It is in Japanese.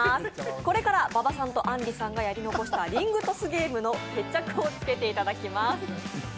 これから馬場さんとあんりさんがやり残した「リングトスゲーム」の決着をつけていただきます。